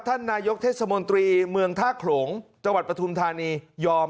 ท่านนายกเทศมนตรีเมืองท่าโขลงจังหวัดปฐุมธานียอม